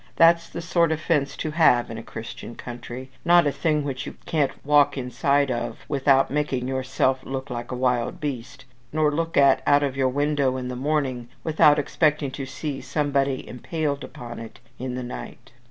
That's the sort of fence to have in a Christian country; not a thing which you can't walk inside of without making yourself look like a wild beast, nor look at out of your window in the morning without expecting to see somebody impaled upon it in the night.